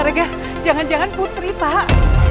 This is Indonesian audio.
warga jangan jangan putri pak